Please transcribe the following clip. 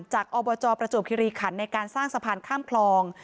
อบจประจวบคิริขันในการสร้างสะพานข้ามคลอง